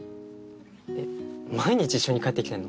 えっ毎日一緒に帰ってきてんの？